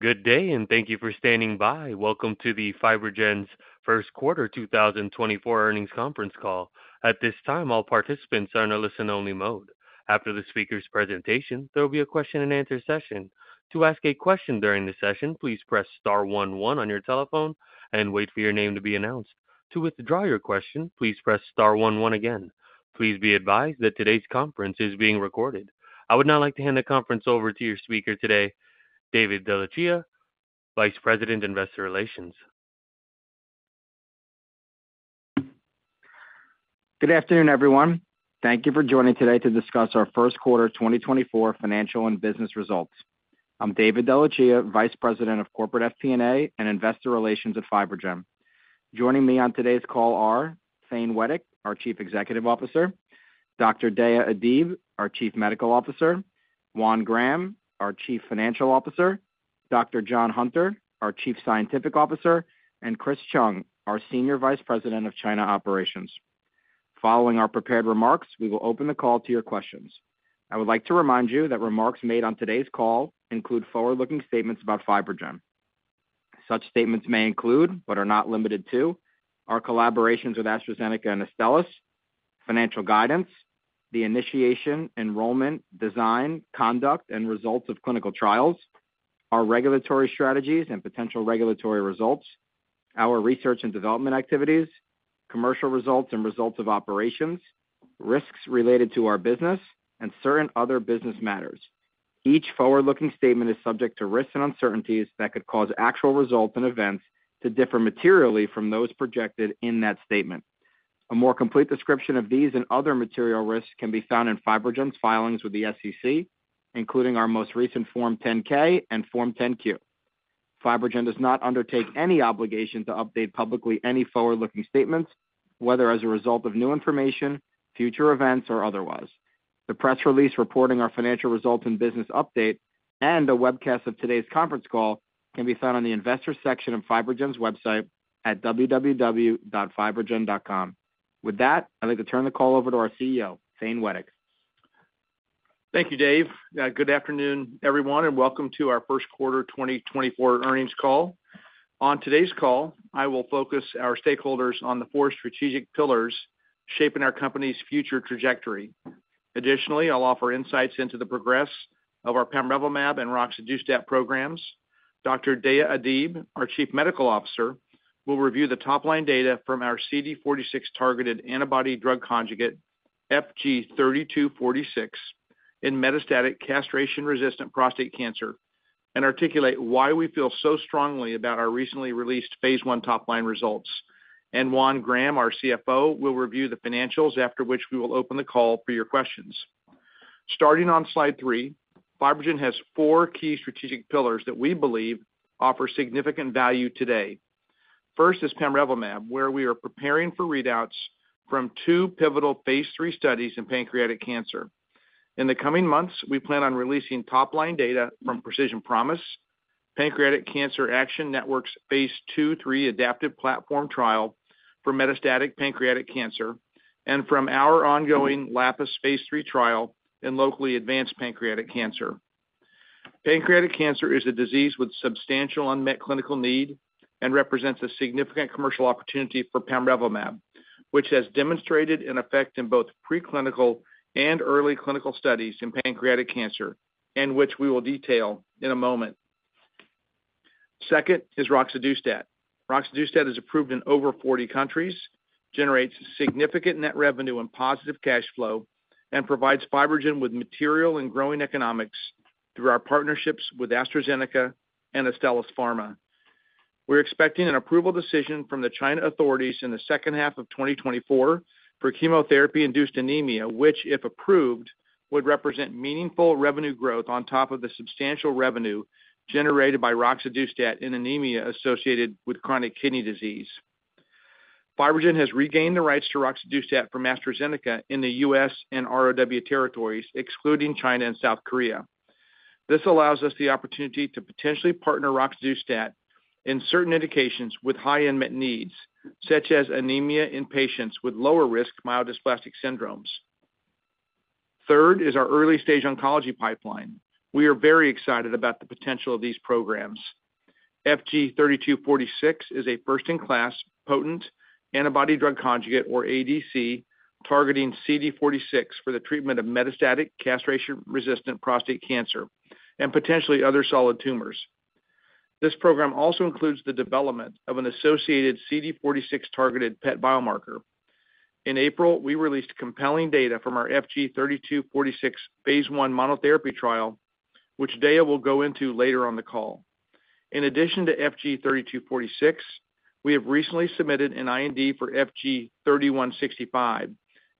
Good day, and thank you for standing by. Welcome to the FibroGen's First Quarter 2024 Earnings Conference Call. At this time, all participants are in a listen-only mode. After the speaker's presentation, there will be a question-and-answer session. To ask a question during the session, please press star one one on your telephone and wait for your name to be announced. To withdraw your question, please press star one one again. Please be advised that today's conference is being recorded. I would now like to hand the conference over to your speaker today, David DeLucia, Vice President, Investor Relations. Good afternoon, everyone. Thank you for joining today to discuss our first quarter 2024 financial and business results. I'm David DeLucia, Vice President of Corporate FP&A and Investor Relations at FibroGen. Joining me on today's call are Thane Wettig, our Chief Executive Officer; Dr. Deyaa Adib, our Chief Medical Officer; Juan Graham, our Chief Financial Officer; Dr. John Hunter, our Chief Scientific Officer; and Chris Chung, our Senior Vice President of China Operations. Following our prepared remarks, we will open the call to your questions. I would like to remind you that remarks made on today's call include forward-looking statements about FibroGen. Such statements may include, but are not limited to, our collaborations with AstraZeneca and Astellas, financial guidance, the initiation, enrollment, design, conduct, and results of clinical trials, our regulatory strategies and potential regulatory results, our research and development activities, commercial results and results of operations, risks related to our business, and certain other business matters. Each forward-looking statement is subject to risks and uncertainties that could cause actual results and events to differ materially from those projected in that statement. A more complete description of these and other material risks can be found in FibroGen's filings with the SEC, including our most recent Form 10-K and Form 10-Q. FibroGen does not undertake any obligation to update publicly any forward-looking statements, whether as a result of new information, future events, or otherwise. The press release reporting our financial results and business update, and a webcast of today's conference call can be found on the Investors section of FibroGen's website at www.fibrogen.com. With that, I'd like to turn the call over to our CEO, Thane Wettig. Thank you, Dave. Good afternoon, everyone, and welcome to our First Quarter 2024 Earnings Call. On today's call, I will focus our stakeholders on the four strategic pillars shaping our company's future trajectory. Additionally, I'll offer insights into the progress of our pamrevlumab and roxadustat programs. Dr. Deyaa Adib, our Chief Medical Officer, will review the top-line data from our CD46-targeted antibody drug conjugate, FG-3246, in metastatic castration-resistant prostate cancer, and articulate why we feel so strongly about our recently released phase I top-line results. Juan Graham, our CFO, will review the financials, after which we will open the call for your questions. Starting on slide three, FibroGen has four key strategic pillars that we believe offer significant value today. First is pamrevlumab, where we are preparing for readouts from two pivotal phase III studies in pancreatic cancer. In the coming months, we plan on releasing top-line data from Precision Promise, Pancreatic Cancer Action Network's Phase II/III adaptive platform trial for metastatic pancreatic cancer, and from our ongoing LAPIS Phase III trial in locally advanced pancreatic cancer. Pancreatic cancer is a disease with substantial unmet clinical need and represents a significant commercial opportunity for pamrevlumab, which has demonstrated an effect in both preclinical and early clinical studies in pancreatic cancer, and which we will detail in a moment. Second is roxadustat. Roxadustat is approved in over 40 countries, generates significant net revenue and positive cash flow, and provides FibroGen with material and growing economics through our partnerships with AstraZeneca and Astellas Pharma. We're expecting an approval decision from the China authorities in the second half of 2024 for chemotherapy-induced anemia, which, if approved, would represent meaningful revenue growth on top of the substantial revenue generated by roxadustat in anemia associated with chronic kidney disease. FibroGen has regained the rights to roxadustat from AstraZeneca in the U.S. and ROW territories, excluding China and South Korea. This allows us the opportunity to potentially partner roxadustat in certain indications with high unmet needs, such as anemia in patients with lower risk myelodysplastic syndromes. Third is our early-stage oncology pipeline. We are very excited about the potential of these programs. FG-3246 is a first-in-class, potent antibody drug conjugate, or ADC, targeting CD46 for the treatment of metastatic castration-resistant prostate cancer and potentially other solid tumors. This program also includes the development of an associated CD46-targeted PET biomarker. In April, we released compelling data from our FG-3246 phase I monotherapy trial, which Deyaa will go into later on the call. In addition to FG-3246, we have recently submitted an IND for FG-3165,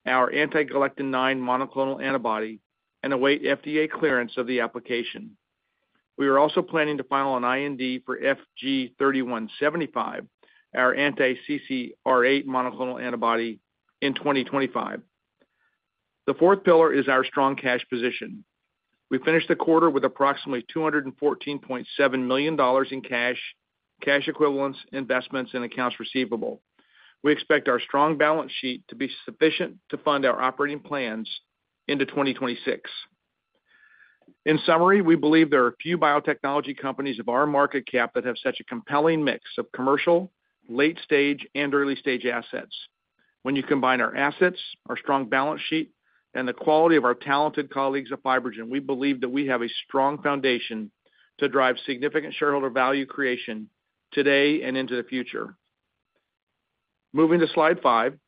our anti-galectin-nine monoclonal antibody, and await FDA clearance of the application. We are also planning to file an IND for FG-3175, our anti-CCR8 monoclonal antibody, in 2025. The fourth pillar is our strong cash position. We finished the quarter with approximately $214.7 million in cash, cash equivalents, investments, and accounts receivable. We expect our strong balance sheet to be sufficient to fund our operating plans into 2026. In summary, we believe there are a few biotechnology companies of our market cap that have such a compelling mix of commercial, late-stage, and early-stage assets. When you combine our assets, our strong balance sheet, and the quality of our talented colleagues at FibroGen, we believe that we have a strong foundation to drive significant shareholder value creation today and into the future. Moving to Slide five,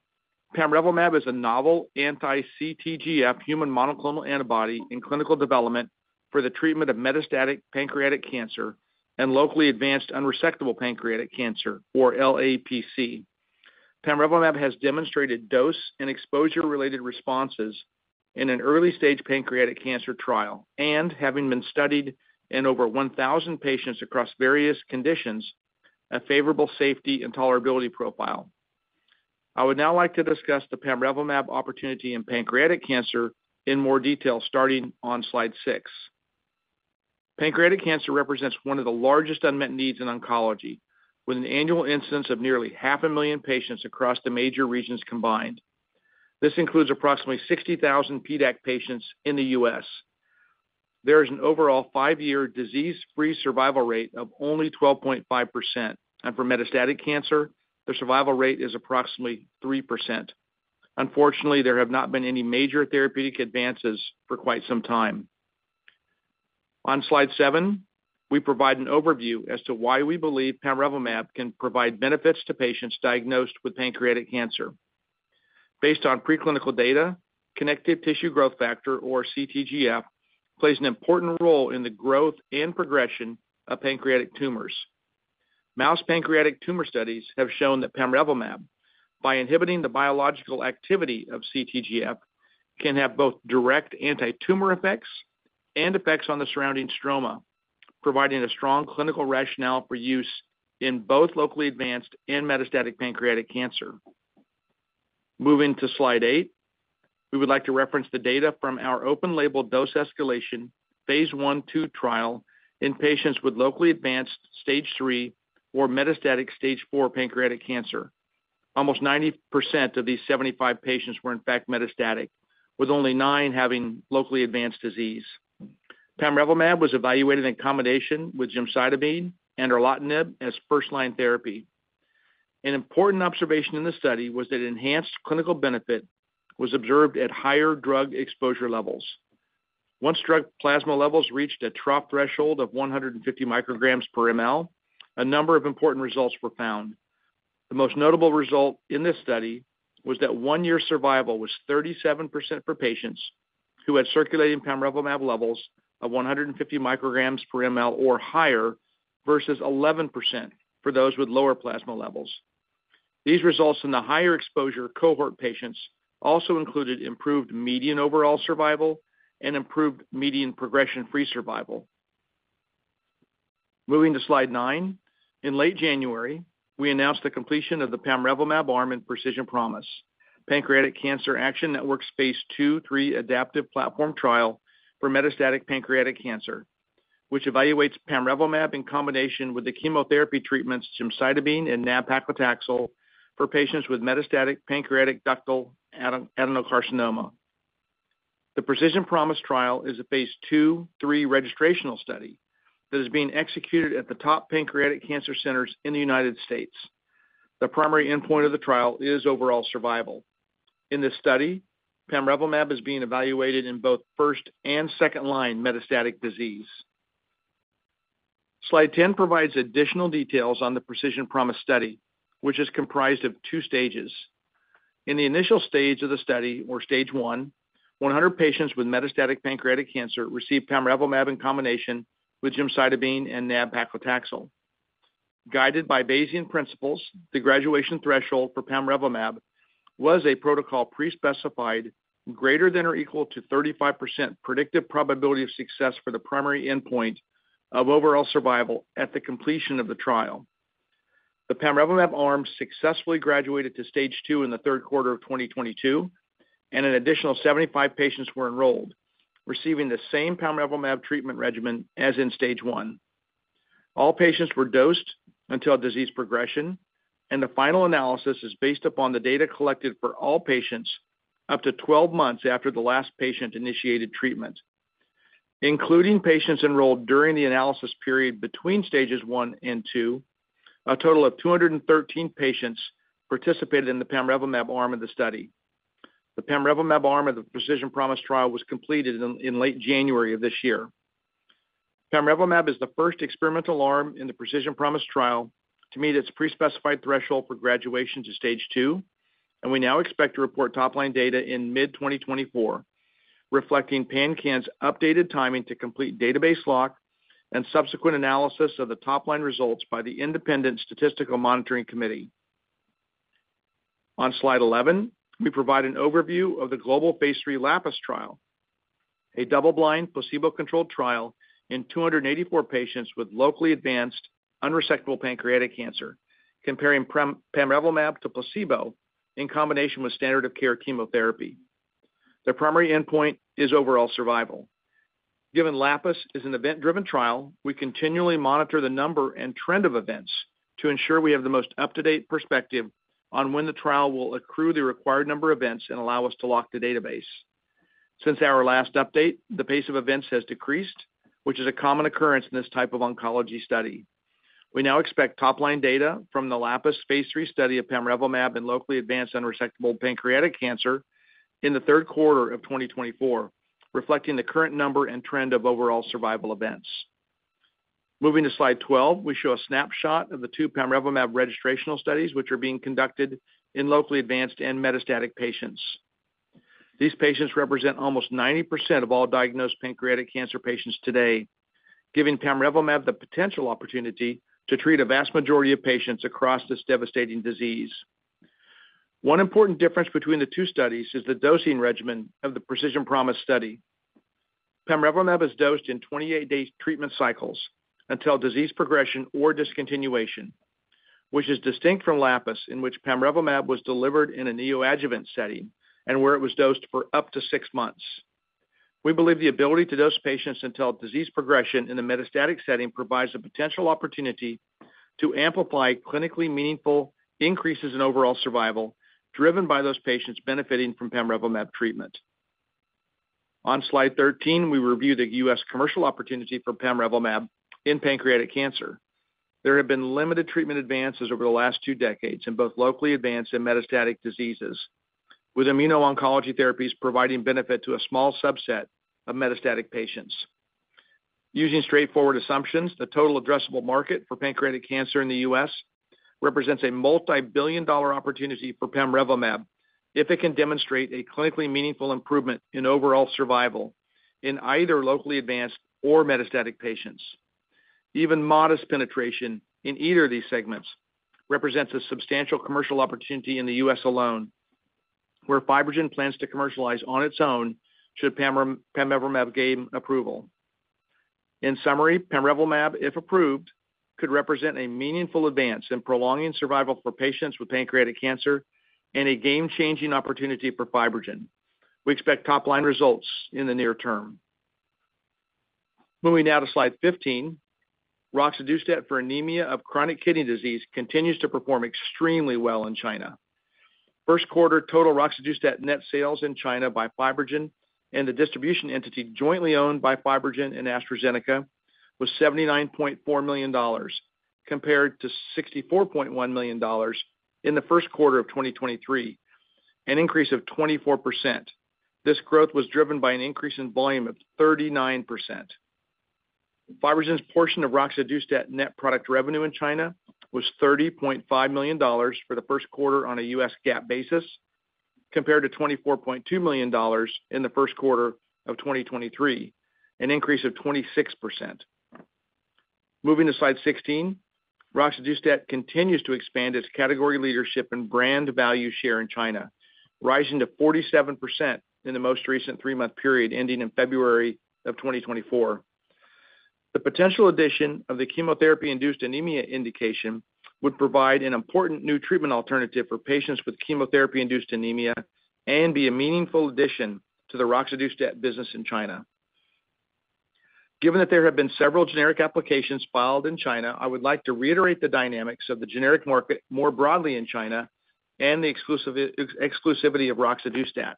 pamrevlumab is a novel anti-CTGF human monoclonal antibody in clinical development for the treatment of metastatic pancreatic cancer and locally advanced unresectable pancreatic cancer, or LAPC. Pamrevlumab has demonstrated dose and exposure-related responses in an early-stage pancreatic cancer trial, and having been studied in over 1,000 patients across various conditions, a favorable safety and tolerability profile. I would now like to discuss the pamrevlumab opportunity in pancreatic cancer in more detail, starting on Slide 6. Pancreatic cancer represents one of the largest unmet needs in oncology, with an annual incidence of nearly 500,000 patients across the major regions combined. This includes approximately 60,000 PDAC patients in the U.S. There is an overall 5-year disease-free survival rate of only 12.5%, and for metastatic cancer, the survival rate is approximately 3%. Unfortunately, there have not been any major therapeutic advances for quite some time. On Slide seven, we provide an overview as to why we believe pamrevlumab can provide benefits to patients diagnosed with pancreatic cancer. Based on preclinical data, connective tissue growth factor, or CTGF, plays an important role in the growth and progression of pancreatic tumors. Mouse pancreatic tumor studies have shown that pamrevlumab, by inhibiting the biological activity of CTGF, can have both direct antitumor effects and effects on the surrounding stroma, providing a strong clinical rationale for use in both locally advanced and metastatic pancreatic cancer. Moving to Slide eight, we would like to reference the data from our open-label dose escalation, phase I/II trial in patients with locally advanced Stage III or metastatic Stage IV pancreatic cancer. Almost 90% of these 75 patients were, in fact, metastatic, with only nine having locally advanced disease. Pamrevlumab was evaluated in combination with gemcitabine and erlotinib as first-line therapy. An important observation in the study was that enhanced clinical benefit was observed at higher drug exposure levels. Once drug plasma levels reached a trough threshold of 150 µg/mL, a number of important results were found. The most notable result in this study was that one-year survival was 37% for patients who had circulating pamrevlumab levels of 150 µg/mL or higher, versus 11% for those with lower plasma levels. These results in the higher exposure cohort patients also included improved median overall survival and improved median progression-free survival. Moving to Slide nine, in late January, we announced the completion of the pamrevlumab arm in Precision Promise, Pancreatic Cancer Action Network's phase II/III adaptive platform trial for metastatic pancreatic cancer, which evaluates pamrevlumab in combination with the chemotherapy treatments gemcitabine and nab-paclitaxel for patients with metastatic pancreatic ductal adenocarcinoma. The Precision Promise trial is a phase II/III registrational study that is being executed at the top pancreatic cancer centers in the United States. The primary endpoint of the trial is overall survival. In this study, pamrevlumab is being evaluated in both first- and second-line metastatic disease. Slide 10 provides additional details on the Precision Promise study, which is comprised of two stages. In the initial stage of the study, or Stage I, 100 patients with metastatic pancreatic cancer received pamrevlumab in combination with gemcitabine and nab-paclitaxel. Guided by Bayesian principles, the graduation threshold for pamrevlumab was a protocol prespecified greater than or equal to 35% predictive probability of success for the primary endpoint of overall survival at the completion of the trial. The pamrevlumab arm successfully graduated to Stage II in the third quarter of 2022, and an additional 75 patients were enrolled, receiving the same pamrevlumab treatment regimen as in Stage I. All patients were dosed until disease progression, and the final analysis is based upon the data collected for all patients up to 12 months after the last patient-initiated treatment. Including patients enrolled during the analysis period between Stages I and II, a total of 213 patients participated in the pamrevlumab arm of the study. The pamrevlumab arm of the Precision Promise trial was completed in late January of this year. Pamrevlumab is the first experimental arm in the Precision Promise trial to meet its prespecified threshold for graduation to Stage II, and we now expect to report top-line data in mid-2024, reflecting PanCAN's updated timing to complete database lock and subsequent analysis of the top-line results by the Independent Statistical Monitoring Committee. On Slide 11, we provide an overview of the global phase III LAPIS trial, a double-blind, placebo-controlled trial in 284 patients with locally advanced unresectable pancreatic cancer, comparing pamrevlumab to placebo in combination with standard of care chemotherapy. The primary endpoint is overall survival. Given LAPIS is an event-driven trial, we continually monitor the number and trend of events to ensure we have the most up-to-date perspective on when the trial will accrue the required number of events and allow us to lock the database. Since our last update, the pace of events has decreased, which is a common occurrence in this type of oncology study. We now expect top-line data from the LAPIS phase III study of pamrevlumab in locally advanced unresectable pancreatic cancer in the third quarter of 2024, reflecting the current number and trend of overall survival events. Moving to slide 12, we show a snapshot of the two pamrevlumab registrational studies, which are being conducted in locally advanced and metastatic patients. These patients represent almost 90% of all diagnosed pancreatic cancer patients today, giving pamrevlumab the potential opportunity to treat a vast majority of patients across this devastating disease. One important difference between the two studies is the dosing regimen of the Precision Promise study. Pamrevlumab is dosed in 28-day treatment cycles until disease progression or discontinuation, which is distinct from LAPIS, in which pamrevlumab was delivered in a neoadjuvant setting and where it was dosed for up to six months. We believe the ability to dose patients until disease progression in the metastatic setting provides a potential opportunity to amplify clinically meaningful increases in overall survival, driven by those patients benefiting from pamrevlumab treatment. On Slide 13, we review the U.S. commercial opportunity for pamrevlumab in pancreatic cancer. There have been limited treatment advances over the last two decades in both locally advanced and metastatic diseases, with immuno-oncology therapies providing benefit to a small subset of metastatic patients. Using straightforward assumptions, the total addressable market for pancreatic cancer in the U.S. represents a multibillion-dollar opportunity for pamrevlumab if it can demonstrate a clinically meaningful improvement in overall survival in either locally advanced or metastatic patients. Even modest penetration in either of these segments represents a substantial commercial opportunity in the U.S. alone, where FibroGen plans to commercialize on its own, should pamrevlumab gain approval. In summary, pamrevlumab, if approved, could represent a meaningful advance in prolonging survival for patients with pancreatic cancer and a game-changing opportunity for FibroGen. We expect top-line results in the near term. Moving now to Slide 15, roxadustat for anemia of chronic kidney disease continues to perform extremely well in China. First quarter total roxadustat net sales in China by FibroGen and the distribution entity jointly owned by FibroGen and AstraZeneca was $79.4 million, compared to $64.1 million in the first quarter of 2023, an increase of 24%. This growth was driven by an increase in volume of 39%. FibroGen's portion of roxadustat net product revenue in China was $30.5 million for the first quarter on a U.S. GAAP basis, compared to $24.2 million in the first quarter of 2023, an increase of 26%. Moving to Slide 16, roxadustat continues to expand its category leadership and brand value share in China, rising to 47% in the most recent three-month period ending in February of 2024. The potential addition of the chemotherapy-induced anemia indication would provide an important new treatment alternative for patients with chemotherapy-induced anemia and be a meaningful addition to the roxadustat business in China. Given that there have been several generic applications filed in China, I would like to reiterate the dynamics of the generic market more broadly in China and the exclusivity of roxadustat.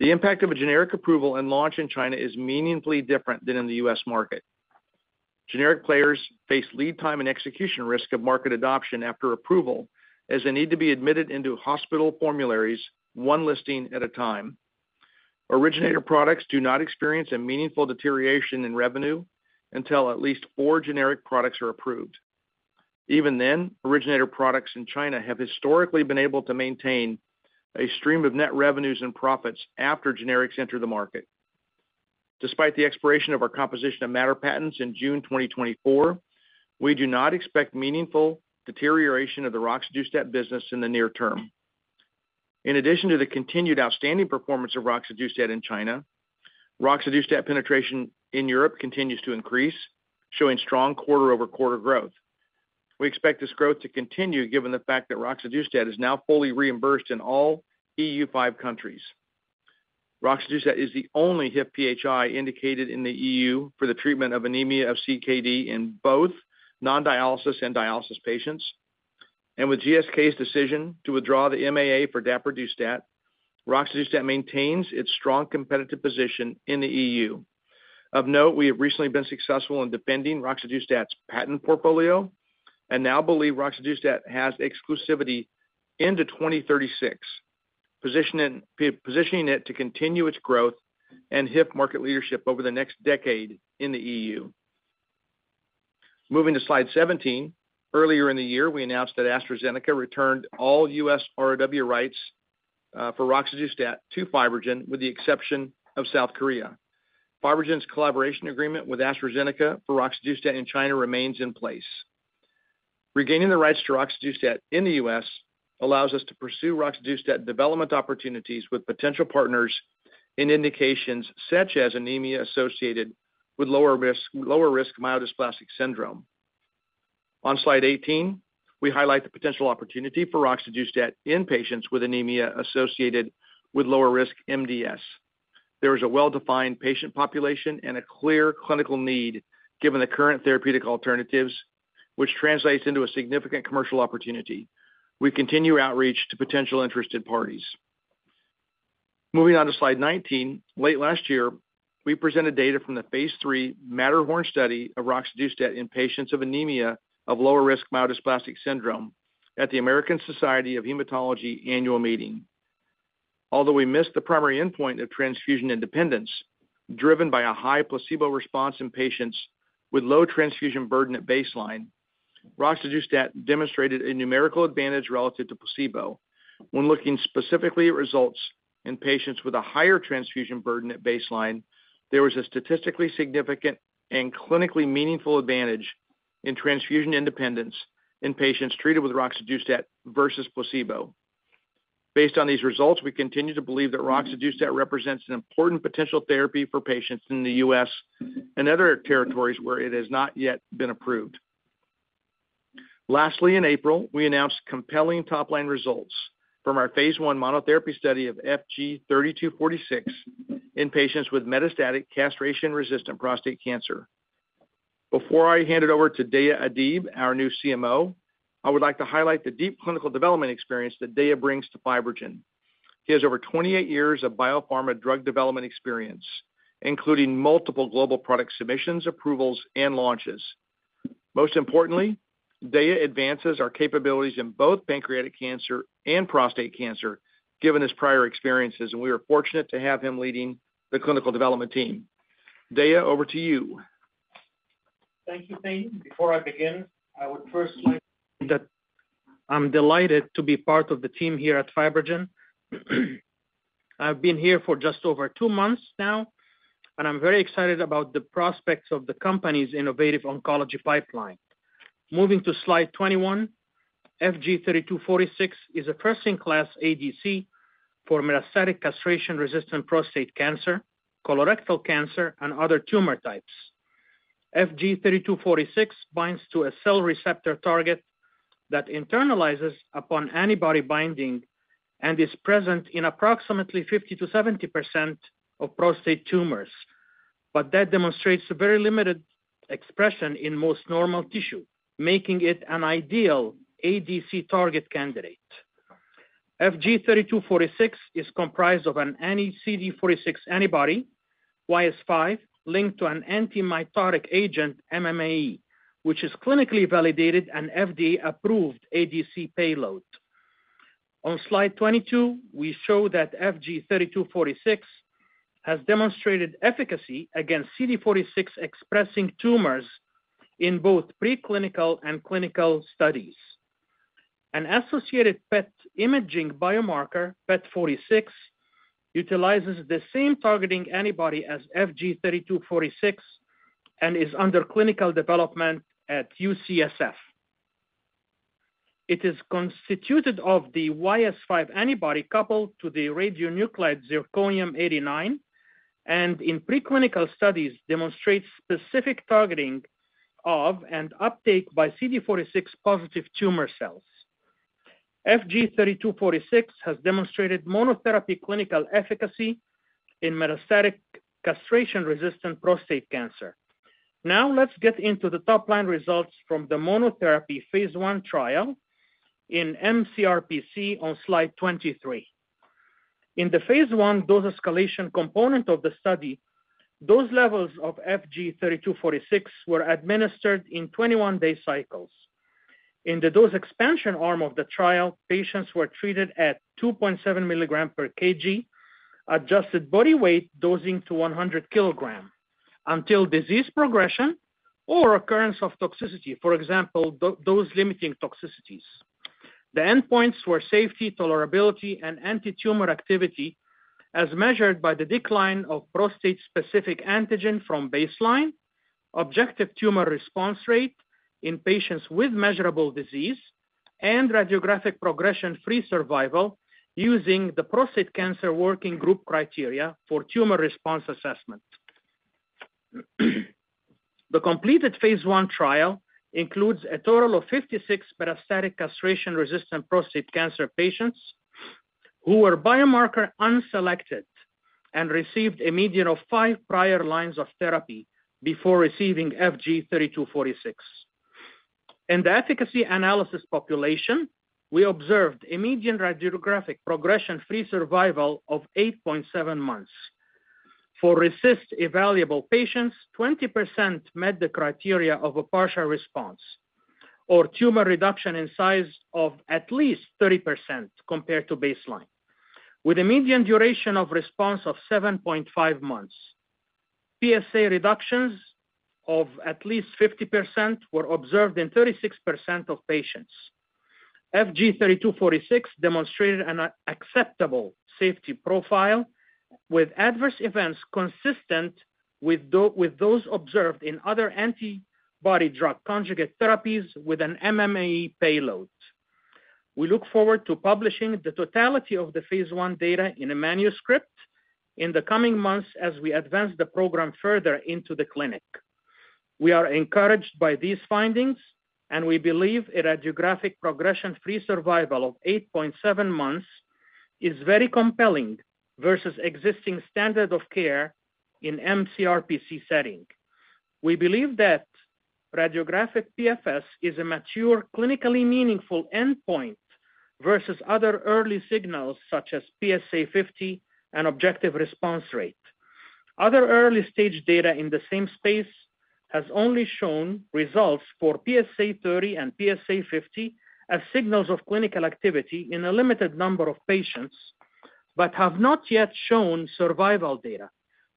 The impact of a generic approval and launch in China is meaningfully different than in the U.S. market. Generic players face lead time and execution risk of market adoption after approval, as they need to be admitted into hospital formularies, one listing at a time. Originator products do not experience a meaningful deterioration in revenue until at least four generic products are approved. Even then, originator products in China have historically been able to maintain a stream of net revenues and profits after generics enter the market. Despite the expiration of our composition of matter patents in June 2024, we do not expect meaningful deterioration of the roxadustat business in the near term. In addition to the continued outstanding performance of roxadustat in China, roxadustat penetration in Europe continues to increase, showing strong quarter-over-quarter growth. We expect this growth to continue, given the fact that roxadustat is now fully reimbursed in all EU5 countries. Roxadustat is the only HIF-PHI indicated in the EU for the treatment of anemia of CKD in both non-dialysis and dialysis patients. With GSK's decision to withdraw the MAA for dapradustat, roxadustat maintains its strong competitive position in the EU. Of note, we have recently been successful in defending roxadustat's patent portfolio and now believe roxadustat has exclusivity into 2036, positioning it to continue its growth and HIF market leadership over the next decade in the EU. Moving to Slide 17. Earlier in the year, we announced that AstraZeneca returned all U.S. ROW rights for roxadustat to FibroGen, with the exception of South Korea. FibroGen's collaboration agreement with AstraZeneca for roxadustat in China remains in place. Regaining the rights to roxadustat in the U.S. allows us to pursue roxadustat development opportunities with potential partners in indications such as anemia associated with lower risk, lower risk myelodysplastic syndrome. On Slide 18, we highlight the potential opportunity for roxadustat in patients with anemia associated with lower risk MDS. There is a well-defined patient population and a clear clinical need, given the current therapeutic alternatives, which translates into a significant commercial opportunity. We continue outreach to potential interested parties. Moving on to slide 19. Late last year, we presented data from the phase III Matterhorn study of roxadustat in patients of anemia of lower risk myelodysplastic syndrome at the American Society of Hematology annual meeting. Although we missed the primary endpoint of transfusion independence, driven by a high placebo response in patients with low transfusion burden at baseline, roxadustat demonstrated a numerical advantage relative to placebo. When looking specifically at results in patients with a higher transfusion burden at baseline, there was a statistically significant and clinically meaningful advantage in transfusion independence in patients treated with roxadustat versus placebo. Based on these results, we continue to believe that roxadustat represents an important potential therapy for patients in the U.S. and other territories where it has not yet been approved. Lastly, in April, we announced compelling top-line results from our phase I monotherapy study of FG-3246 in patients with metastatic castration-resistant prostate cancer. Before I hand it over to Deyaa Adib, our new CMO, I would like to highlight the deep clinical development experience that Deyaa brings to FibroGen. He has over 28 years of biopharma drug development experience, including multiple global product submissions, approvals, and launches. Most importantly, Deyaa advances our capabilities in both pancreatic cancer and prostate cancer, given his prior experiences, and we are fortunate to have him leading the clinical development team. Deyaa, over to you. Thank you, Thane. Before I begin, I would first like to say that I'm delighted to be part of the team here at FibroGen. I've been here for just over two months now, and I'm very excited about the prospects of the company's innovative oncology pipeline. Moving to slide 21, FG-3246 is a first-in-class ADC for metastatic castration-resistant prostate cancer, colorectal cancer, and other tumor types. FG-3246 binds to a cell receptor target that internalizes upon antibody binding and is present in approximately 50%-70% of prostate tumors, but that demonstrates a very limited expression in most normal tissue, making it an ideal ADC target candidate. FG-3246 is comprised of an anti-CD46 antibody, YS5, linked to an antimitotic agent, MMAE, which is clinically validated and FDA-approved ADC payload. On slide 22, we show that FG-3246 has demonstrated efficacy against CD46-expressing tumors in both preclinical and clinical studies. An associated PET imaging biomarker, PET46, utilizes the same targeting antibody as FG-3246 and is under clinical development at UCSF. It is constituted of the YS5 antibody coupled to the radionuclide zirconium-89, and in preclinical studies, demonstrates specific targeting of and uptake by CD46 positive tumor cells. FG-3246 has demonstrated monotherapy clinical efficacy in metastatic castration-resistant prostate cancer. Now, let's get into the top-line results from the monotherapy phase 1 trial in mCRPC on slide 23. In the phase I dose escalation component of the study, dose levels of FG-3246 were administered in 21-day cycles. In the dose expansion arm of the trial, patients were treated at 2.7 mg/kg, adjusted body weight dosing to 100 kg, until disease progression or occurrence of toxicity, for example, dose-limiting toxicities. The endpoints were safety, tolerability, and antitumor activity, as measured by the decline of prostate-specific antigen from baseline, objective tumor response rate in patients with measurable disease, and radiographic progression-free survival, using the Prostate Cancer Working Group criteria for tumor response assessment. The completed phase I trial includes a total of 56 metastatic castration-resistant prostate cancer patients, who were biomarker unselected and received a median of 5 prior lines of therapy before receiving FG-3246. In the efficacy analysis population, we observed a median radiographic progression-free survival of 8.7 months. For RECIST-evaluable patients, 20% met the criteria of a partial response or tumor reduction in size of at least 30% compared to baseline, with a median duration of response of 7.5 months. PSA reductions of at least 50% were observed in 36% of patients. FG-3246 demonstrated an acceptable safety profile, with adverse events consistent with those observed in other antibody-drug conjugate therapies with an MMAE payload. We look forward to publishing the totality of the phase I data in a manuscript in the coming months as we advance the program further into the clinic. We are encouraged by these findings, and we believe a radiographic progression-free survival of 8.7 months is very compelling versus existing standard of care in mCRPC setting. We believe that radiographic PFS is a mature, clinically meaningful endpoint versus other early signals, such as PSA 50 and objective response rate. Other early-stage data in the same space has only shown results for PSA 30 and PSA 50 as signals of clinical activity in a limited number of patients, but have not yet shown survival data,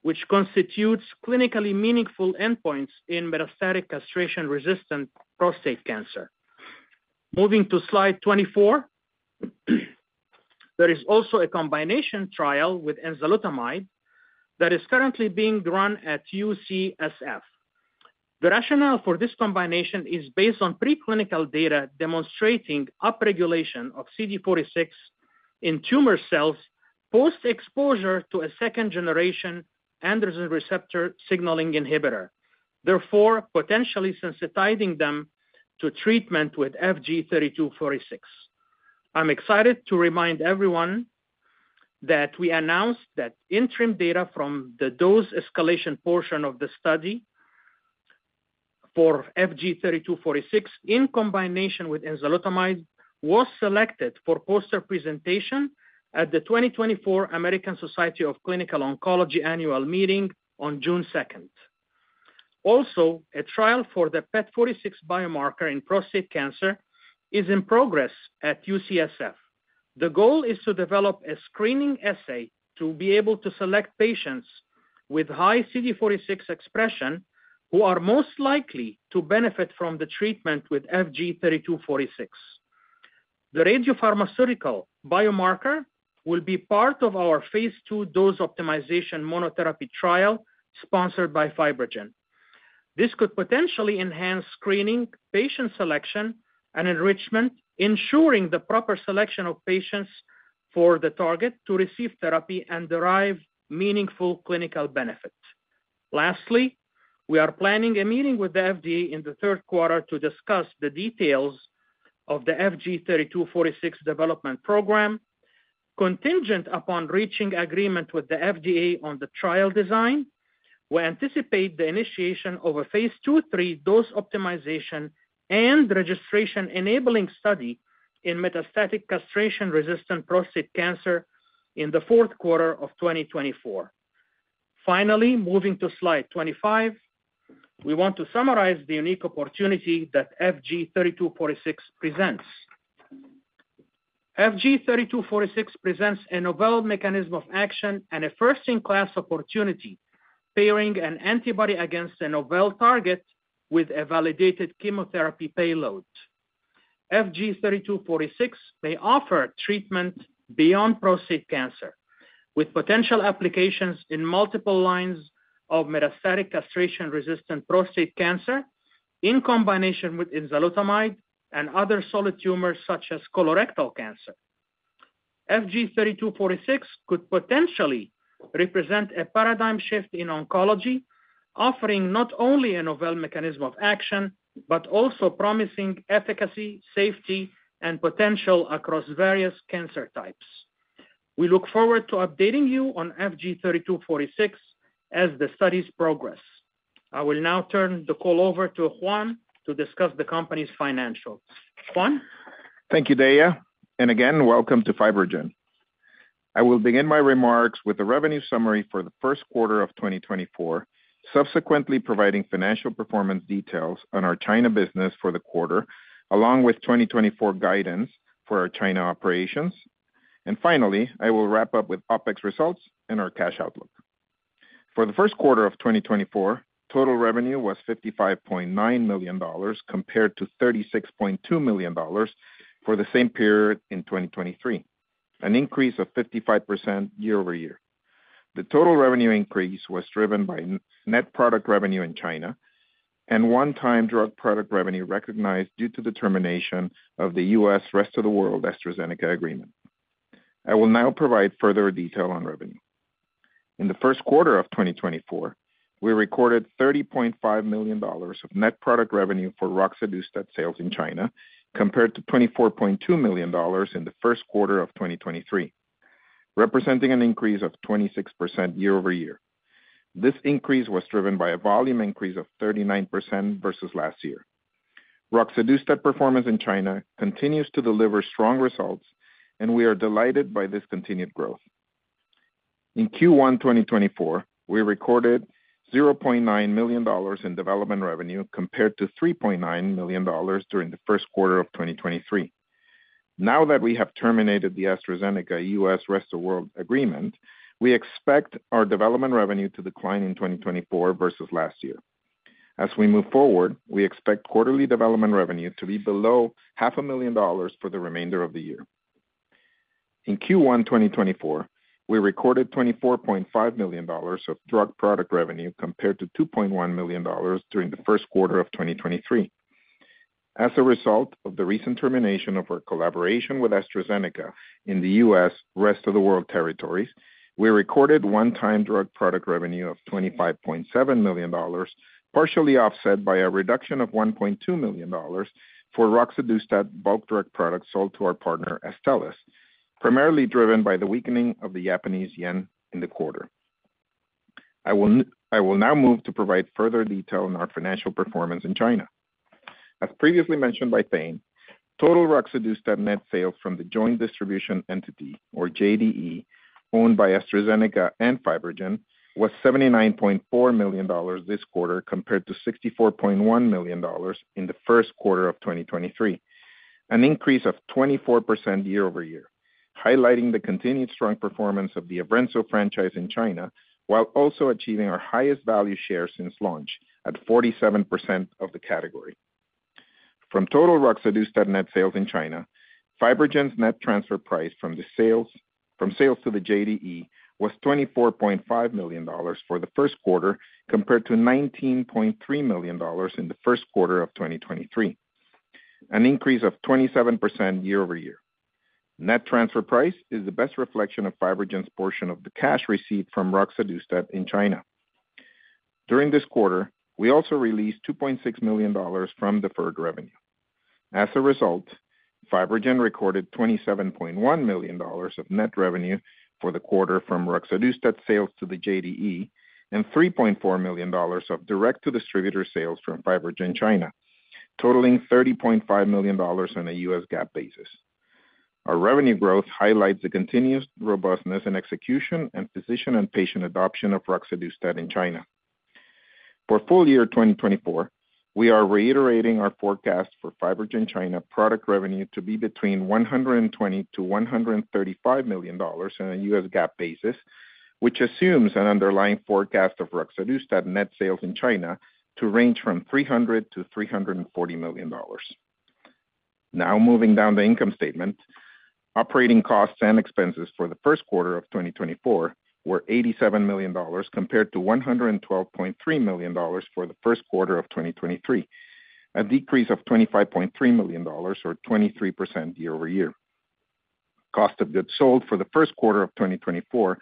which constitutes clinically meaningful endpoints in metastatic castration-resistant prostate cancer. Moving to slide 24, there is also a combination trial with enzalutamide that is currently being run at UCSF. The rationale for this combination is based on preclinical data demonstrating upregulation of CD46 in tumor cells post-exposure to a second-generation androgen receptor signaling inhibitor, therefore potentially sensitizing them to treatment with FG-3246. I'm excited to remind everyone that we announced that interim data from the dose escalation portion of the study for FG-3246 in combination with enzalutamide was selected for poster presentation at the 2024 American Society of Clinical Oncology Annual Meeting on June 2nd. Also, a trial for the PET46 biomarker in prostate cancer is in progress at UCSF. The goal is to develop a screening assay to be able to select patients with high CD46 expression, who are most likely to benefit from the treatment with FG-3246. The radiopharmaceutical biomarker will be part of our phase 2 dose optimization monotherapy trial, sponsored by FibroGen. This could potentially enhance screening, patient selection, and enrichment, ensuring the proper selection of patients for the target to receive therapy and derive meaningful clinical benefit. Lastly, we are planning a meeting with the FDA in the third quarter to discuss the details of the FG-3246 development program. Contingent upon reaching agreement with the FDA on the trial design, we anticipate the initiation of a phase II/III dose optimization and registration-enabling study in metastatic castration-resistant prostate cancer in the fourth quarter of 2024. Finally, moving to slide 25, we want to summarize the unique opportunity that FG-3246 presents. FG-3246 presents a novel mechanism of action and a first-in-class opportunity, pairing an antibody against a novel target with a validated chemotherapy payload. FG-3246 may offer treatment beyond prostate cancer, with potential applications in multiple lines of metastatic castration-resistant prostate cancer, in combination with enzalutamide and other solid tumors, such as colorectal cancer. FG-3246 could potentially represent a paradigm shift in oncology, offering not only a novel mechanism of action, but also promising efficacy, safety, and potential across various cancer types. We look forward to updating you on FG-3246 as the studies progress. I will now turn the call over to Juan to discuss the company's financials. Juan? Thank you, Deyaa, and again, welcome to FibroGen. I will begin my remarks with a revenue summary for the first quarter of 2024, subsequently providing financial performance details on our China business for the quarter, along with 2024 guidance for our China operations. Finally, I will wrap up with OPEX results and our cash outlook. For the first quarter of 2024, total revenue was $55.9 million, compared to $36.2 million for the same period in 2023, an increase of 55% year-over-year. The total revenue increase was driven by net product revenue in China and one-time drug product revenue recognized due to the termination of the U.S. Rest of the World AstraZeneca agreement. I will now provide further detail on revenue. In the first quarter of 2024, we recorded $30.5 million of net product revenue for roxadustat sales in China, compared to $24.2 million in the first quarter of 2023, representing an increase of 26% year-over-year. This increase was driven by a volume increase of 39% versus last year. Roxadustat performance in China continues to deliver strong results, and we are delighted by this continued growth. In Q1 2024, we recorded $0.9 million in development revenue, compared to $3.9 million during the first quarter of 2023. Now that we have terminated the AstraZeneca U.S. Rest of World agreement, we expect our development revenue to decline in 2024 versus last year. As we move forward, we expect quarterly development revenue to be below $500,000 for the remainder of the year. In Q1 2024, we recorded $24.5 million of drug product revenue compared to $2.1 million during the first quarter of 2023. As a result of the recent termination of our collaboration with AstraZeneca in the U.S., rest of the world territories, we recorded one-time drug product revenue of $25.7 million, partially offset by a reduction of $1.2 million for roxadustat bulk drug products sold to our partner, Astellas, primarily driven by the weakening of the Japanese yen in the quarter. I will now move to provide further detail on our financial performance in China. As previously mentioned by Thane, total roxadustat net sales from the joint distribution entity, or JDE, owned by AstraZeneca and FibroGen, was $79.4 million this quarter, compared to $64.1 million in the first quarter of 2023, an increase of 24% year-over-year, highlighting the continued strong performance of the EVRENZO franchise in China, while also achieving our highest value share since launch, at 47% of the category. From total roxadustat net sales in China, FibroGen's net transfer price from sales to the JDE was $24.5 million for the first quarter, compared to $19.3 million in the first quarter of 2023, an increase of 27% year-over-year. Net transfer price is the best reflection of FibroGen's portion of the cash received from roxadustat in China. During this quarter, we also released $2.6 million from deferred revenue. As a result, FibroGen recorded $27.1 million of net revenue for the quarter from roxadustat sales to the JDE, and $3.4 million of direct-to-distributor sales from FibroGen China, totaling $30.5 million on a U.S. GAAP basis. Our revenue growth highlights the continuous robustness and execution and physician and patient adoption of roxadustat in China. For full year 2024, we are reiterating our forecast for FibroGen China product revenue to be between $120 million-$135 million on a U.S. GAAP basis, which assumes an underlying forecast of roxadustat net sales in China to range from $300 million-$340 million. Now, moving down the income statement. Operating costs and expenses for the first quarter of 2024 were $87 million, compared to $112.3 million for the first quarter of 2023, a decrease of $25.3 million or 23% year-over-year. Cost of goods sold for the first quarter of 2024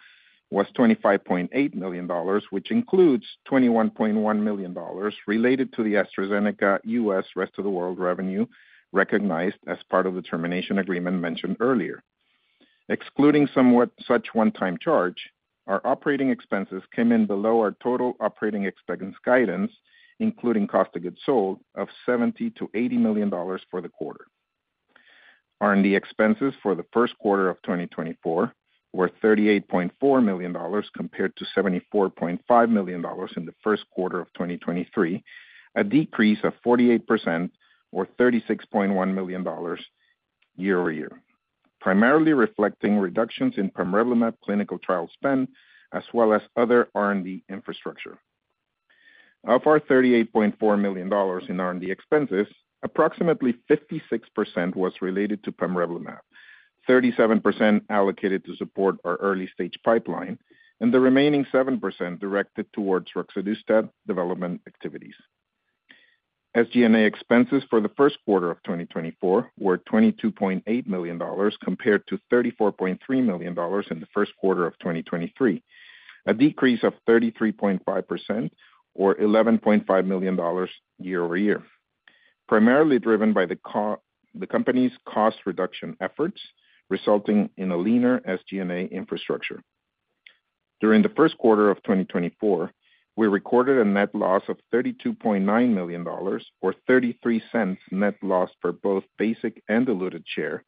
was $25.8 million, which includes $21.1 million related to the AstraZeneca U.S., rest-of-the-world revenue, recognized as part of the termination agreement mentioned earlier. Excluding such one-time charge, our operating expenses came in below our total operating expense guidance, including cost of goods sold of $70 million-$80 million for the quarter. R&D expenses for the first quarter of 2024 were $38.4 million, compared to $74.5 million in the first quarter of 2023, a decrease of 48% or $36.1 million year-over-year, primarily reflecting reductions in pamrevlumab clinical trial spend, as well as other R&D infrastructure. Of our $38.4 million in R&D expenses, approximately 56% was related to pamrevlumab, 37% allocated to support our early-stage pipeline, and the remaining 7% directed towards roxadustat development activities. SG&A expenses for the first quarter of 2024 were $22.8 million, compared to $34.3 million in the first quarter of 2023, a decrease of 33.5% or $11.5 million year-over-year, primarily driven by the company's cost reduction efforts, resulting in a leaner SG&A infrastructure. During the first quarter of 2024, we recorded a net loss of $32.9 million or $0.33 net loss per both basic and diluted share,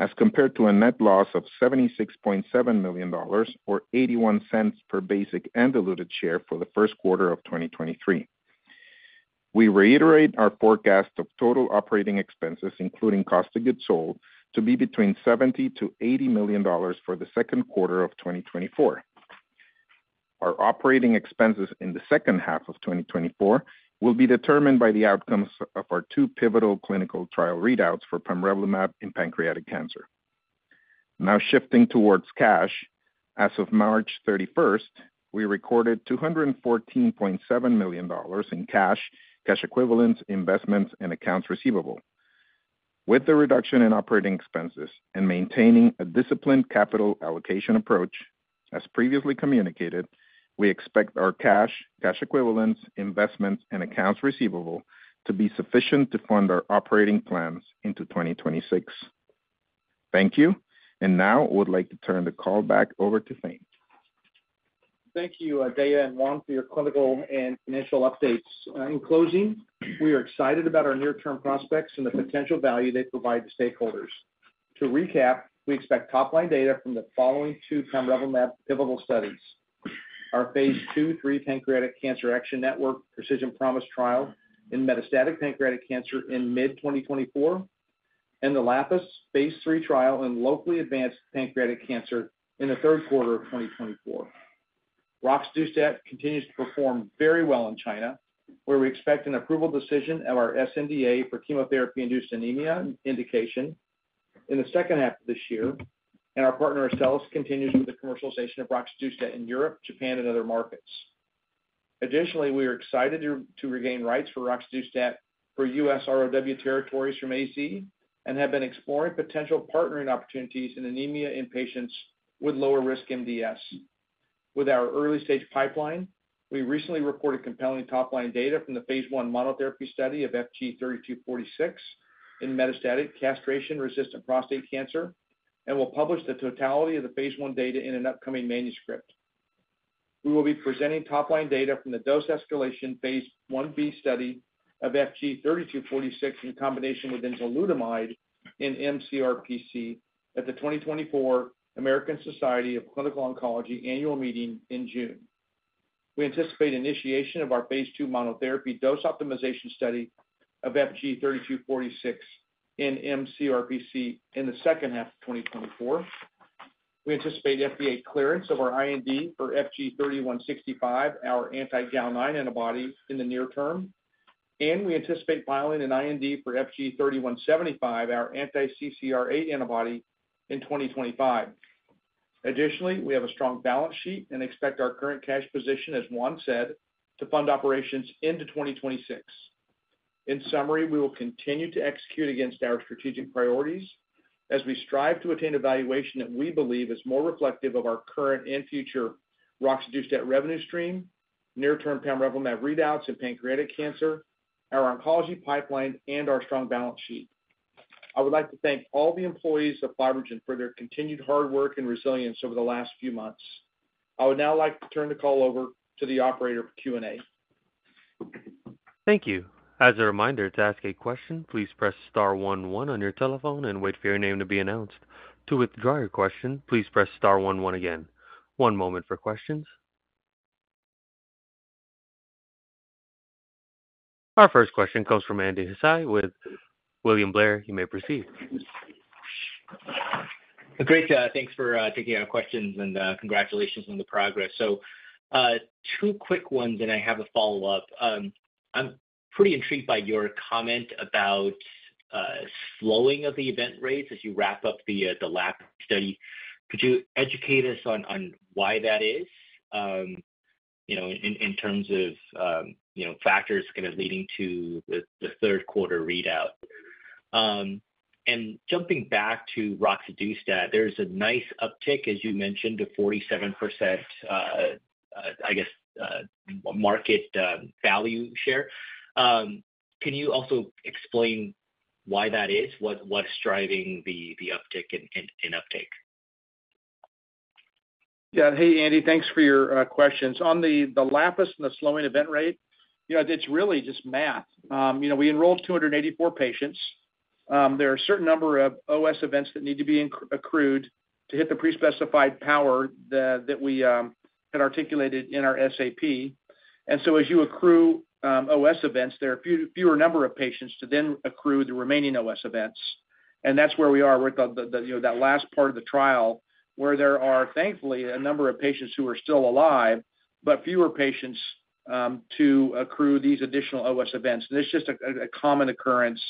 as compared to a net loss of $76.7 million or $0.81 per basic and diluted share for the first quarter of 2023. We reiterate our forecast of total operating expenses, including cost of goods sold, to be between $70 million-$80 million for the second quarter of 2024. Our operating expenses in the second half of 2024 will be determined by the outcomes of our two pivotal clinical trial readouts for pamrevlumab in pancreatic cancer. Now, shifting towards cash. As of March 31, we recorded $214.7 million in cash, cash equivalents, investments, and accounts receivable. With the reduction in operating expenses and maintaining a disciplined capital allocation approach, as previously communicated, we expect our cash, cash equivalents, investments, and accounts receivable to be sufficient to fund our operating plans into 2026. Thank you. Now I would like to turn the call back over to Thane. Thank you, Deyaa and Juan, for your clinical and financial updates. In closing, we are excited about our near-term prospects and the potential value they provide to stakeholders. To recap, we expect top-line data from the following two pamrevlumab pivotal studies: Our phase II/III Pancreatic Cancer Action Network Precision Promise Trial in metastatic pancreatic cancer in mid-2024, and the LAPIS phase III trial in locally advanced pancreatic cancer in the third quarter of 2024. Roxadustat continues to perform very well in China, where we expect an approval decision of our sNDA for chemotherapy-induced anemia indication in the second half of this year, and our partner, Astellas, continues with the commercialization of roxadustat in Europe, Japan, and other markets. Additionally, we are excited to regain rights for roxadustat for U.S. ROW territories from AZ, and have been exploring potential partnering opportunities in anemia in patients with lower risk MDS. With our early-stage pipeline, we recently reported compelling top-line data from the phase I monotherapy study of FG-3246 in metastatic castration-resistant prostate cancer, and will publish the totality of the phase I data in an upcoming manuscript. We will be presenting top-line data from the dose escalation phase 1b study of FG-3246 in combination with enzalutamide in mCRPC at the 2024 American Society of Clinical Oncology Annual Meeting in June. We anticipate initiation of our phase 2 monotherapy dose optimization study of FG-3246 in mCRPC in the second half of 2024. We anticipate FDA clearance of our IND for FG-3165, our anti-Gal9 antibody, in the near term, and we anticipate filing an IND for FG-3175, our anti-CCR8 antibody, in 2025. Additionally, we have a strong balance sheet and expect our current cash position, as Juan said, to fund operations into 2026. In summary, we will continue to execute against our strategic priorities as we strive to attain a valuation that we believe is more reflective of our current and future roxadustat revenue stream, near-term pamrevlumab readouts in pancreatic cancer, our oncology pipeline, and our strong balance sheet. I would like to thank all the employees of FibroGen for their continued hard work and resilience over the last few months. I would now like to turn the call over to the operator for Q&A. Thank you. As a reminder, to ask a question, please press star one one on your telephone and wait for your name to be announced. To withdraw your question, please press star one one again. One moment for questions. Our first question comes from Andy Hsieh with William Blair. You may proceed. Great, thanks for taking our questions, and congratulations on the progress. So, two quick ones, and I have a follow-up. I'm pretty intrigued by your comment about slowing of the event rates as you wrap up the LAPIS study. Could you educate us on why that is, you know, in terms of factors kind of leading to the third quarter readout? And jumping back to roxadustat, there's a nice uptick, as you mentioned, a 47% market value share. Can you also explain why that is? What's driving the uptick in uptake? Yeah. Hey, Andy, thanks for your questions. On the LAPIS and the slowing event rate, you know, it's really just math. You know, we enrolled 284 patients. There are a certain number of OS events that need to be accrued to hit the pre-specified power that we had articulated in our SAP. And so as you accrue OS events, there are fewer number of patients to then accrue the remaining OS events, and that's where we are with the, you know, that last part of the trial, where there are, thankfully, a number of patients who are still alive, but fewer patients to accrue these additional OS events. And it's just a common occurrence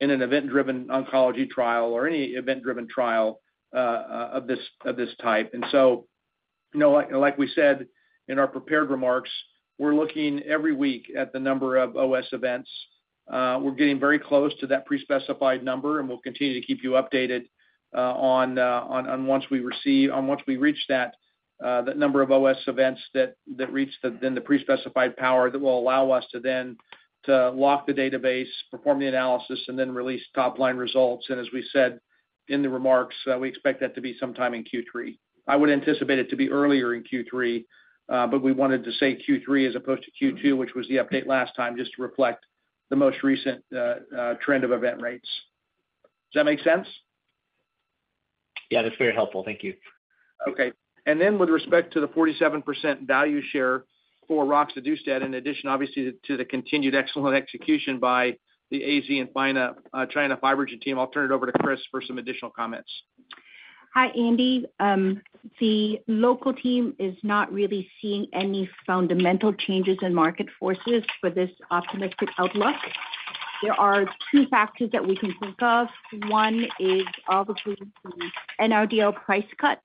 in an event-driven oncology trial or any event-driven trial of this type. You know, like we said in our prepared remarks, we're looking every week at the number of OS events. We're getting very close to that pre-specified number, and we'll continue to keep you updated on once we reach that number of OS events that reach the pre-specified power that will allow us to then to lock the database, perform the analysis, and then release top-line results. And as we said in the remarks, we expect that to be sometime in Q3. I would anticipate it to be earlier in Q3, but we wanted to say Q3 as opposed to Q2, which was the update last time, just to reflect the most recent trend of event rates. Does that make sense? Yeah, that's very helpful. Thank you. Okay. And then with respect to the 47% value share for roxadustat, in addition, obviously, to the continued excellent execution by the AZ and FibroGen China team, I'll turn it over to Chris for some additional comments. Hi, Andy. The local team is not really seeing any fundamental changes in market forces for this optimistic outlook. There are two factors that we can think of. One is obviously an NRDL price cut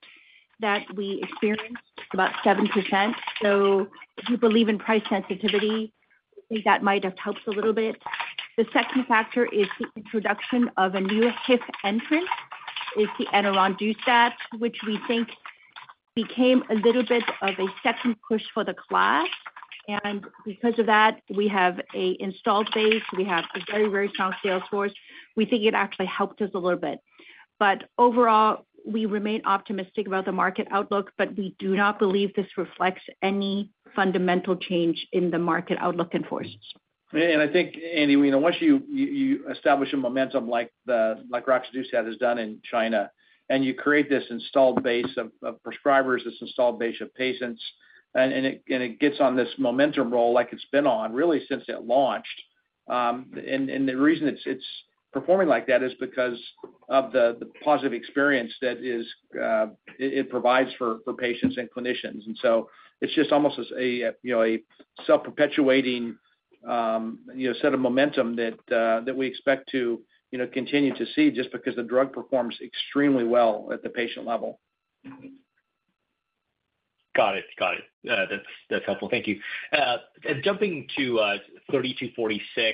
that we experienced, about 7%. So if you believe in price sensitivity, I think that might have helped a little bit. The second factor is the introduction of a new HIF entrant, it's the enarodustat, which we think became a little bit of a second push for the class, and because of that, we have an installed base, we have a very, very strong sales force. We think it actually helped us a little bit. But overall, we remain optimistic about the market outlook, but we do not believe this reflects any fundamental change in the market outlook and forces. And I think, Andy, you know, once you establish a momentum like roxadustat has done in China, and you create this installed base of prescribers, this installed base of patients, and it gets on this momentum roll like it's been on, really since it launched. And the reason it's performing like that is because of the positive experience that it provides for patients and clinicians. And so it's just almost as a, you know, a self-perpetuating, you know, set of momentum that we expect to, you know, continue to see just because the drug performs extremely well at the patient level. Got it. Got it. That's helpful. Thank you. Jumping to FG-3246,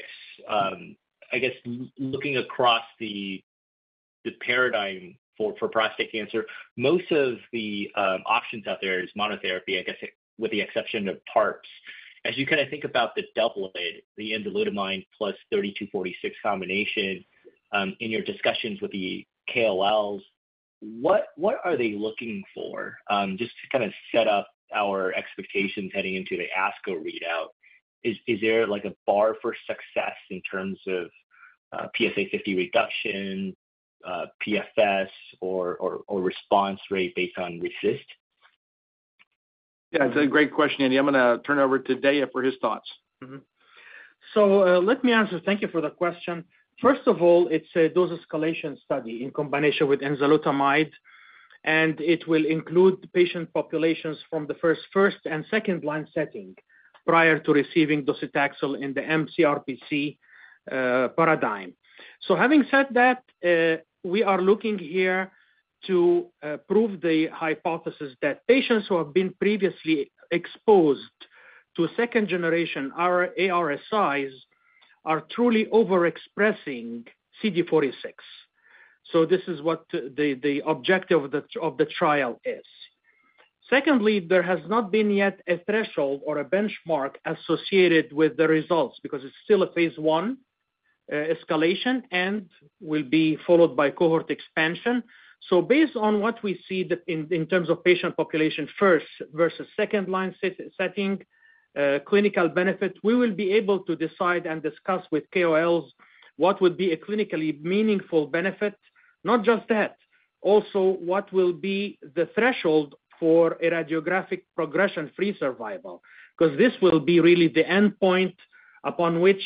I guess, looking across the paradigm for prostate cancer, most of the options out there is monotherapy, I guess, with the exception of PARPs. As you kind of think about the doublet, the enzalutamide plus FG-3246 combination, in your discussions with the KOLs, what are they looking for? Just to kind of set up our expectations heading into the ASCO readout. Is there like a bar for success in terms of PSA 50 reduction, PFS or response rate based on RECIST? Yeah, that's a great question, Andy. I'm gonna turn it over to Deyaa for his thoughts. Mm-hmm. So, let me answer. Thank you for the question. First of all, it's a dose-escalation study in combination with enzalutamide, and it will include patient populations from the first, first and second-line setting prior to receiving docetaxel in the mCRPC paradigm. So having said that, we are looking here to prove the hypothesis that patients who have been previously exposed to second-generation AR-ARSIs are truly overexpressing CD46. So this is what the objective of the trial is. Secondly, there has not been yet a threshold or a benchmark associated with the results, because it's still a phase I escalation and will be followed by cohort expansion. So based on what we see in terms of patient population first versus second-line setting, clinical benefit, we will be able to decide and discuss with KOLs what would be a clinically meaningful benefit. Not just that, also, what will be the threshold for a radiographic progression-free survival, 'cause this will be really the endpoint upon which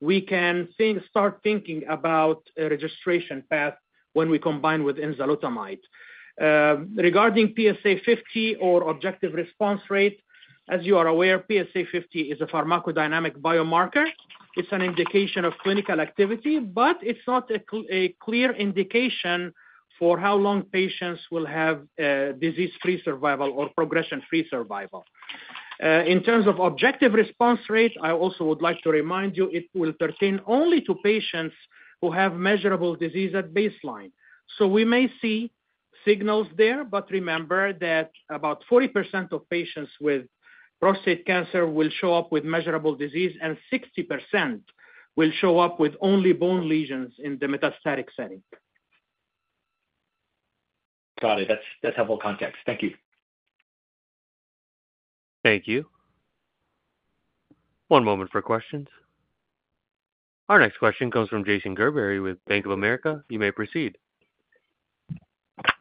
we can start thinking about a registration path when we combine with enzalutamide. Regarding PSA 50 or objective response rate, as you are aware, PSA 50 is a pharmacodynamic biomarker. It's an indication of clinical activity, but it's not a clear indication for how long patients will have disease-free survival or progression-free survival. In terms of objective response rate, I also would like to remind you, it will pertain only to patients who have measurable disease at baseline. So we may see signals there, but remember that about 40% of patients with prostate cancer will show up with measurable disease, and 60% will show up with only bone lesions in the metastatic setting. Got it. That's, that's helpful context. Thank you. Thank you. One moment for questions. Our next question comes from Jason Gerberry with Bank of America. You may proceed.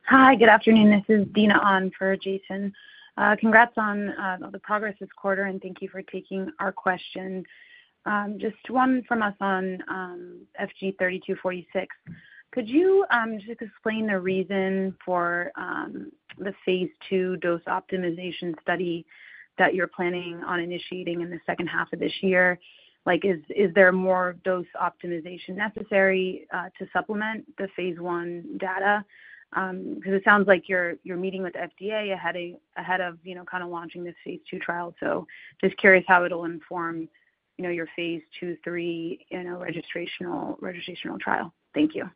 Hi, good afternoon. This is Daina on for Jason. Congrats on the progress this quarter, and thank you for taking our questions. Just one from us on FG-3246. Could you just explain the reason for the phase II dose optimization study that you're planning on initiating in the second half of this year? Like, is there more dose optimization necessary to supplement the phase I data? Because it sounds like you're meeting with FDA ahead of, you know, kind of launching this phase II trial. So just curious how it'll inform, you know, your phase II/III, you know, registrational trial. Thank you.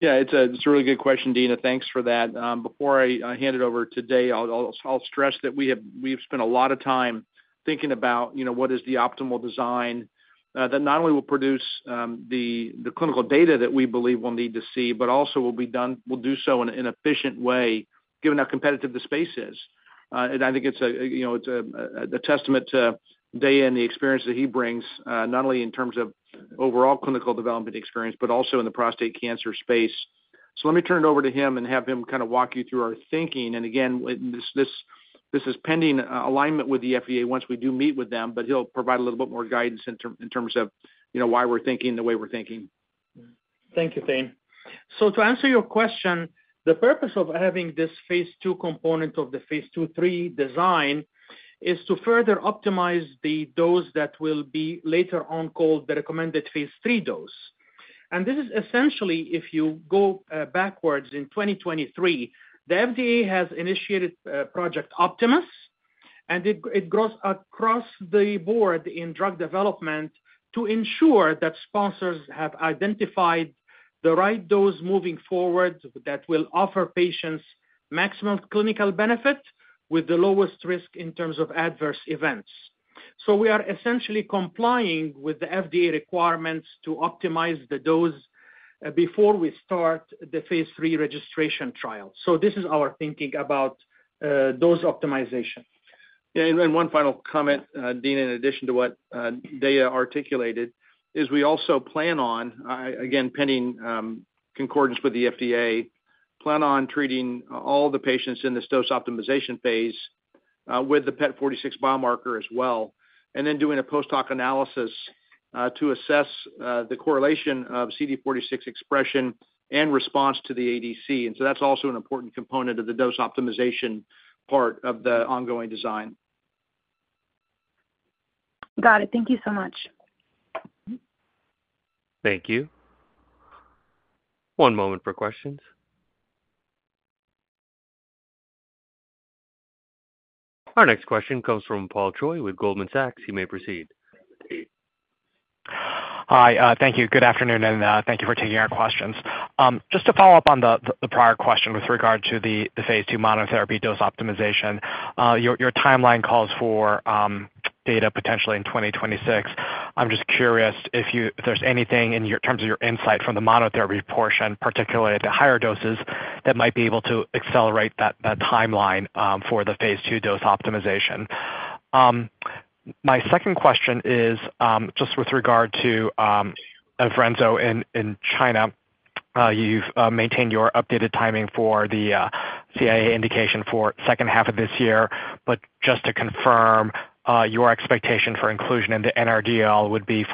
Yeah, it's a really good question, Daina. Thanks for that. Before I hand it over to Deyaa, I'll stress that we've spent a lot of time thinking about, you know, what is the optimal design that not only will produce the clinical data that we believe we'll need to see, but also will do so in an efficient way, given how competitive the space is. And I think it's a, you know, it's a testament to Deyaa and the experience that he brings, not only in terms of overall clinical development experience, but also in the prostate cancer space. So let me turn it over to him and have him kind of walk you through our thinking. Again, this is pending alignment with the FDA once we do meet with them, but he'll provide a little bit more guidance in terms of, you know, why we're thinking the way we're thinking. Thank you, Thane. So to answer your question, the purpose of having this phase II component of the phase II/III design is to further optimize the dose that will be later on called the recommended phase III dose. This is essentially, if you go backwards in 2023, the FDA has initiated Project Optimus, and it grows across the board in drug development to ensure that sponsors have identified the right dose moving forward that will offer patients maximum clinical benefit with the lowest risk in terms of adverse events. We are essentially complying with the FDA requirements to optimize the dose before we start the phase III registration trial. This is our thinking about dose optimization. Yeah, and then one final comment, Dina, in addition to what, Deyaa articulated, is we also plan on, again, pending, concordance with the FDA, plan on treating all the patients in this dose optimization phase with the PET46 biomarker as well, and then doing a post-hoc analysis to assess the correlation of CD46 expression and response to the ADC. And so that's also an important component of the dose optimization part of the ongoing design. Got it. Thank you so much. Thank you. One moment for questions. Our next question comes from Paul Choi with Goldman Sachs. You may proceed. Hi, thank you. Good afternoon, and thank you for taking our questions. Just to follow up on the prior question with regard to the phase II monotherapy dose optimization, your timeline calls for data potentially in 2026. I'm just curious if there's anything in terms of your insight from the monotherapy portion, particularly at the higher doses, that might be able to accelerate that timeline for the phase II dose optimization. My second question is just with regard to EVRENZO in China. You've maintained your updated timing for the CIA indication for second half of this year, but just to confirm, your expectation for inclusion in the NRDL would be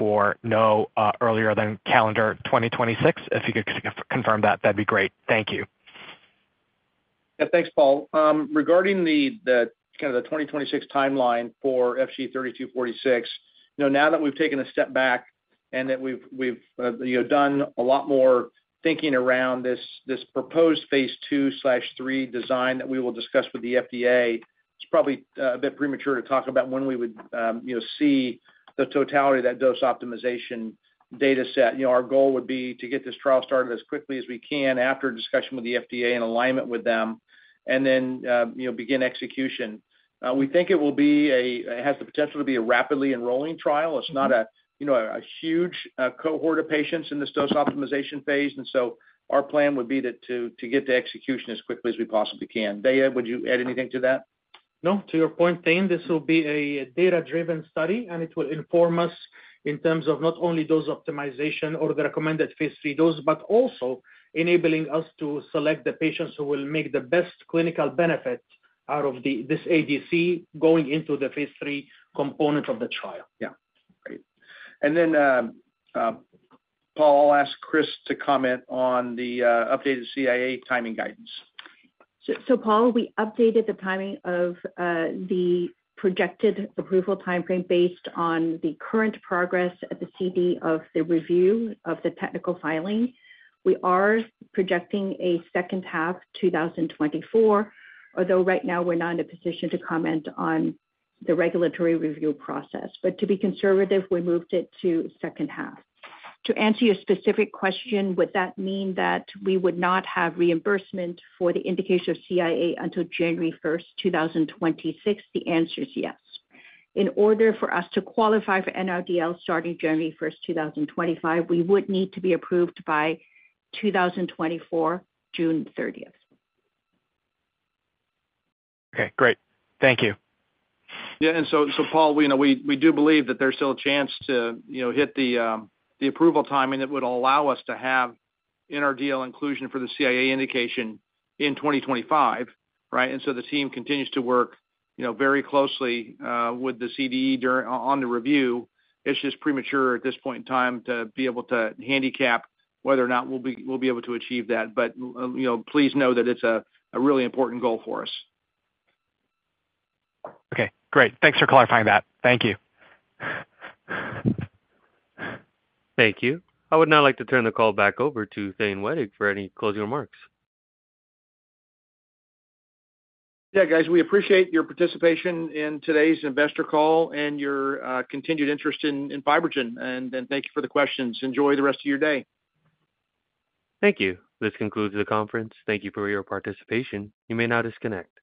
no earlier than calendar 2026? If you could confirm that, that'd be great. Thank you. Yeah, thanks, Paul. Regarding the kind of 2026 timeline for FG-3246, you know, now that we've taken a step back and that we've you know, done a lot more thinking around this proposed phase II/III design that we will discuss with the FDA, it's probably a bit premature to talk about when we would you know, see the totality of that dose optimization data set. You know, our goal would be to get this trial started as quickly as we can after a discussion with the FDA in alignment with them, and then you know, begin execution. We think it will be a It has the potential to be a rapidly enrolling trial. It's not, you know, a huge cohort of patients in this dose optimization phase, and so our plan would be to get to execution as quickly as we possibly can. Deyaa, would you add anything to that? No, to your point, Thane, this will be a data-driven study, and it will inform us in terms of not only dose optimization or the recommended Phase III dose, but also enabling us to select the patients who will make the best clinical benefit out of this ADC going into the Phase III component of the trial. Yeah. Great. And then, Paul, I'll ask Chris to comment on the updated CIA timing guidance. So, Paul, we updated the timing of the projected approval timeframe based on the current progress at the CD of the review of the technical filing. We are projecting a second half 2024, although right now we're not in a position to comment on the regulatory review process. But to be conservative, we moved it to second half. To answer your specific question, would that mean that we would not have reimbursement for the indication of CIA until January 1, 2026? The answer is yes. In order for us to qualify for NRDL starting January 1, 2025, we would need to be approved by 2024, June 30. Okay, great. Thank you. Yeah, and so, so Paul, we, you know, we do believe that there's still a chance to, you know, hit the approval timing that would allow us to have NRDL inclusion for the CIA indication in 2025, right? And so the team continues to work, you know, very closely with the CDE during on the review. It's just premature at this point in time to be able to handicap whether or not we'll be able to achieve that. But, you know, please know that it's a really important goal for us. Okay, great. Thanks for clarifying that. Thank you. Thank you. I would now like to turn the call back over to Thane Wettig for any closing remarks. Yeah, guys, we appreciate your participation in today's investor call and your continued interest in FibroGen, and thank you for the questions. Enjoy the rest of your day. Thank you. This concludes the conference. Thank you for your participation. You may now disconnect.